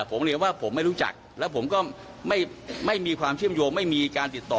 ผมเรียนว่าผมไม่รู้จักแล้วผมก็ไม่มีความเชื่อมโยงไม่มีการติดต่อ